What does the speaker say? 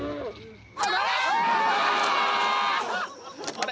あれ？